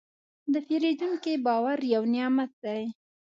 د پیرودونکي باور یو نعمت دی.